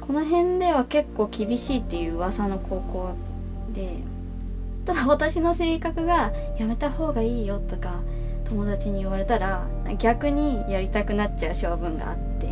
この辺では結構厳しいっていう噂の高校でただ私の性格がやめた方がいいよとか友達に言われたら逆にやりたくなっちゃう性分があって。